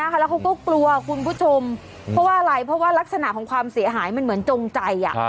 ก็กลัวว่ารักษณะของความเสียหายมันเหมือนจงใจ